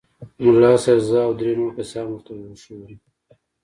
ملا صاحب زه او درې نور کسان ورته وښوولو.